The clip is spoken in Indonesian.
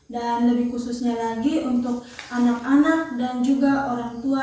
dan lebih khususnya lagi untuk anak anak dan juga orang tua